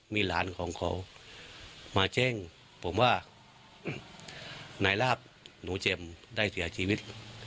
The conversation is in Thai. มีหลานของเขามาแจ้งผมว่านายลาบหนูเจ็บได้เสียชีวิต